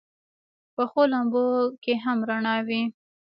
پخو لمبو کې هم رڼا وي